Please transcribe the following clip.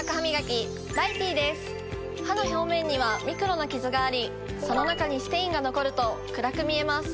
歯の表面にはミクロなキズがありその中にステインが残ると暗く見えます。